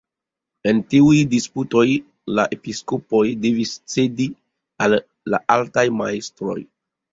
En tiuj disputoj la episkopoj devis cedi al la altaj majstroj.